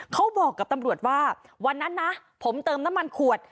เขาบอกกับตำรวจว่าวันนั้นนะผมเติมน้ำมันขวด